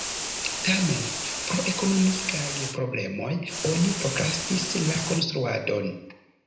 Tamen pro ekonomikaj problemoj oni prokrastis la konstruadon.